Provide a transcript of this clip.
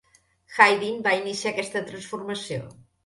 Haydn va iniciar aquesta transformació.